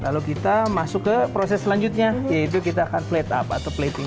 lalu kita masuk ke proses selanjutnya yaitu kita akan plate up atau plating